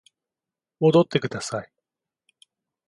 戻ってください